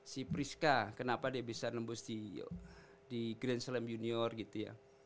si priska kenapa dia bisa nembus di grand slam junior gitu ya